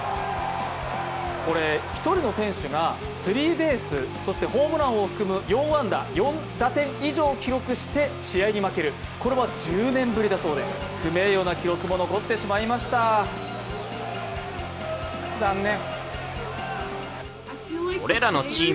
これ、１人の選手がスリーベース、そしてホームランを含む４安打４打点以上記録して試合に負けるこれは１０年ぶりだそうで不名誉な記録も残ってしまいました、残念。